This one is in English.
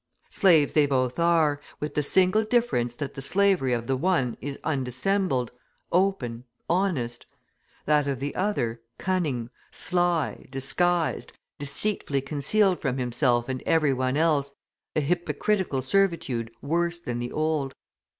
Slaves they both are, with the single difference that the slavery of the one is undissembled, open, honest; that of the other cunning, sly, disguised, deceitfully concealed from himself and every one else, a hypocritical servitude worse than the old.